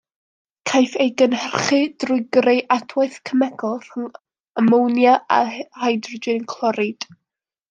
Caiff ei gynhyrchu drwy greu adwaith cemegol rhwng amonia a hydrogen clorid.